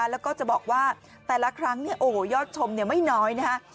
แล้วก็จะบอกว่าแต่ละครั้งยอดชมไม่น้อยนะฮะ